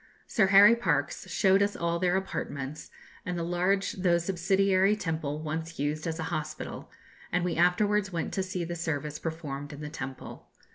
Sir Harry Parkes showed us all their apartments, and the large though subsidiary temple once used as a hospital, and we afterwards went to see the service performed in the temple.